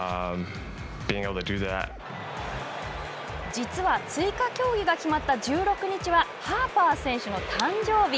実は追加競技が決まった１６日はハーパー選手の誕生日。